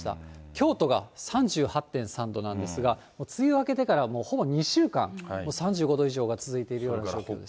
京都が３８．３度なんですが、梅雨明けてからほぼ２週間、３５度以上が続いているような状況です。